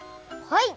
はい！